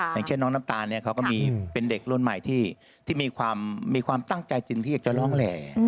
อย่างเช่นน้องน้ำตาลเนี่ยเขาก็มีเป็นเด็กรุ่นใหม่ที่มีความตั้งใจจริงที่อยากจะร้องแหล่